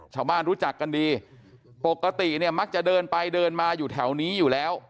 รู้จักกันดีปกติเนี่ยมักจะเดินไปเดินมาอยู่แถวนี้อยู่แล้ว